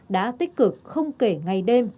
đã tích cực không kể ngày đêm